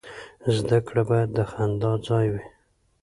زده کړه باید د خندا ځای وي.